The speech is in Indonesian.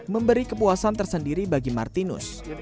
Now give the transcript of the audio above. memberi kepuasan tersendiri bagi martinus